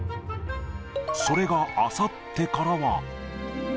それがあさってからは。